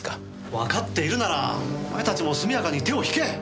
わかっているならお前たちも速やかに手を引け！